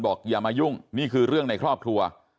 อย่ามายุ่งนี่คือเรื่องในครอบครัว